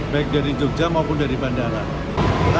baik dari jogja maupun dari bandara